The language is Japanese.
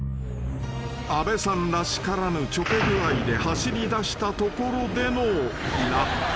［阿部さんらしからぬちょけ具合で走りだしたところでの落下］